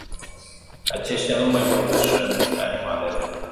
Aceștia nu mai pot să își hrănească animalele.